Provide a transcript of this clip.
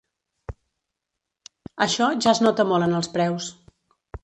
Això ja es nota molt en els preus.